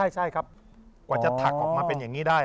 ใช่ครับกว่าจะถักออกมาเป็นอย่างนี้ได้